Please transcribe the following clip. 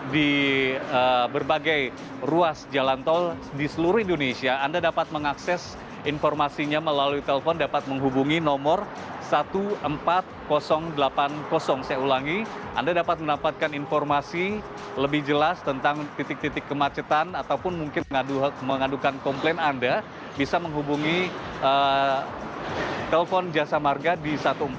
di berbagai ruas jalan tol di seluruh indonesia anda dapat mengakses informasinya melalui telepon dapat menghubungi nomor empat belas delapan puluh saya ulangi anda dapat mendapatkan informasi lebih jelas tentang titik titik kemacetan ataupun mungkin mengadukan komplain anda bisa menghubungi telepon jasa marga di empat belas delapan puluh